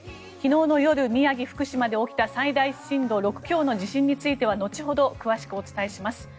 昨日の夜宮城、福島で起きた最大震度６強の地震については後ほど詳しくお伝えします。